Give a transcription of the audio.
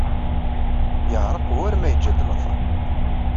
Yeɛṛeq war ma yeǧǧa-d lateṛ.